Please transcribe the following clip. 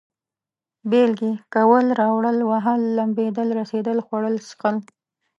بېلگې: کول، راوړل، وهل، لمبېدل، رسېدل، خوړل، څښل